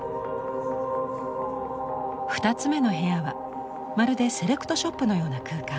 ２つ目の部屋はまるでセレクトショップのような空間。